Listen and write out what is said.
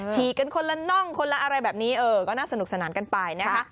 ฉีกกันคนละน่องคนละอะไรแบบนี้เออก็น่าสนุกสนานกันไปนะคะ